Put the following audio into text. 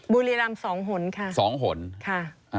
บุรีรำสองหนค่ะ